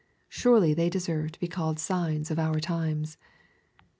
Surely they deserve to be called signs of our times.